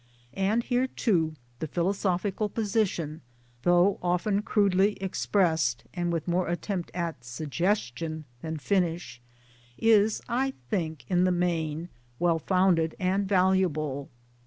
And here too the philosophical position, though often crudely ex pressed, and with more attempt at suggestion than finish, is I think in the main well founded and valuable.